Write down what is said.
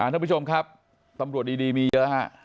ท่านผู้ชมครับตำรวจดีมีเยอะฮะ